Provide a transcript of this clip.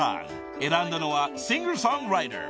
選んだのはシンガー・ソングライター］